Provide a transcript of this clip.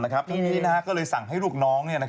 ทั้งนี้เป็นที่นำเหลือพวกน้อง